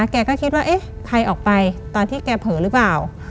แกก็คิดว่าเอ๊ะใครออกไปตอนที่แกเผลอหรือเปล่า